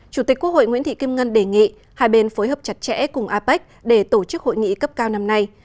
chủ tịch quốc hội nguyễn thị kim ngân đề nghị hai bên phối hợp chặt chẽ cùng apec để tổ chức hội nghị cấp cao năm nay